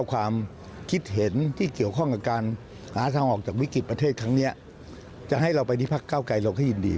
วิกฤติประเทศทั้งนี้จะให้เราไปที่ภาคเก้าไกรเราก็ยินดี